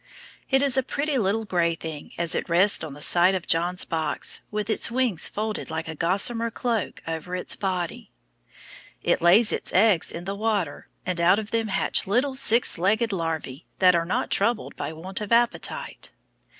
It is a pretty little gray thing as it rests on the side of John's box, with its wings folded like a gossamer cloak over its body. It lays its eggs in the water, and out of them hatch little six legged larvæ that are not troubled by want of appetite.